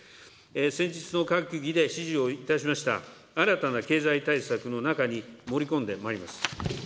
先日の閣議で指示をいたしました、新たな経済対策の中に盛り込んでまいります。